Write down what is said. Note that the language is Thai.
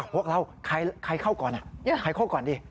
พวกเราใครเข้าก่อนใครเข้าก่อนดิ